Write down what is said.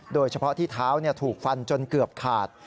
โดยเฉพาะที่เท้าถูกฟันจนเกือบขาด